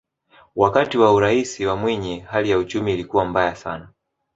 wakati wa uraisi wa mwinyi hali ya uchumi ilikuwa mbaya sana